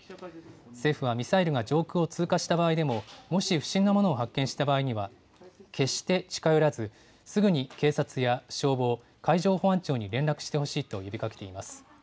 政府はミサイルが上空を通過した場合でも、もし不審なものを発見した場合には、決して近寄らず、すぐに警察や消防、海上保安庁に連絡してほしいと呼びかけています。